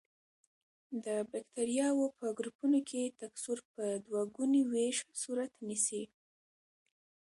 د بکټریاوو په ګروپونو کې تکثر په دوه ګوني ویش صورت نیسي.